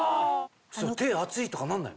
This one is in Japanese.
手熱いとかなんないの？